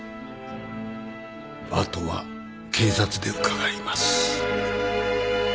後は警察で伺います。